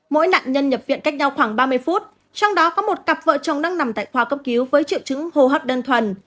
mỗi nạn nhân nhập viện cách nhau khoảng ba mươi phút trong đó có một cặp vợ chồng đang nằm tại khoa cấp cứu với triệu chứng hô hấp đơn thuần